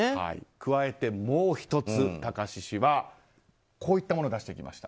加えてもう１つ貴志氏はこういったものを出してきました。